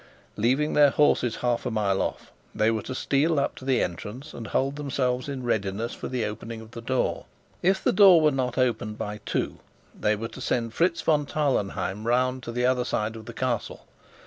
Leaving their horses half a mile off, they were to steal up to the entrance and hold themselves in readiness for the opening of the door. If the door were not opened by two, they were to send Fritz von Tarlenheim round to the other side of the Castle.